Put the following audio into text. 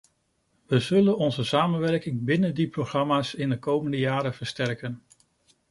We zullen onze samenwerking binnen die programma's in de komende jaren versterken.